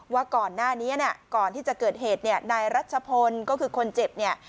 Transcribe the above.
ว่าก่อนหน้านี้เนี่ยก่อนที่จะเกิดเหตุเนี่ยนายรัชพลก็คือคนเจ็บเนี่ย